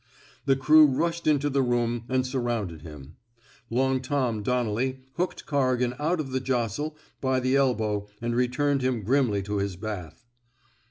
The crew rushed into the room and sur rounded him. Long Tom '' Donnelly hooked Corrigan out of the jostle by the elbow and returned him grimly to his bath.